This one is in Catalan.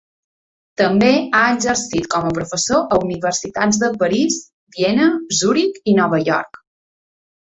També ha exercit com a professor a universitats de París, Viena, Zuric i Nova York.